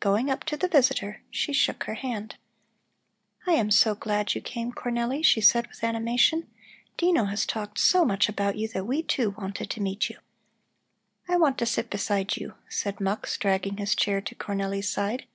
Going up to the visitor, she shook her hand. "I am so glad you came, Cornelli," she said with animation. "Dino has talked so much about you that we, too, wanted to meet you." "I want to sit beside you," said Mux, dragging his chair to Cornelli's side.